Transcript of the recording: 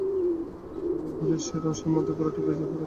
ঐ বীরপুরুষের অশ্বমেধের ঘোড়াটি বেজায় খোঁড়াচ্ছে।